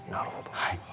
はい。